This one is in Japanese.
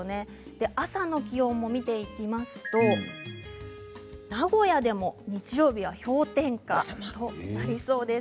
朝の気温を見ていきますと名古屋でも日曜日は氷点下となりそうです。